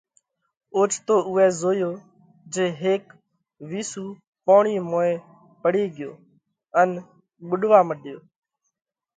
اوچتو اُوئہ زويو جي هيڪ وِيسُو پوڻِي موئين پڙي ڳيو ان ٻُوڏوا مڏيو۔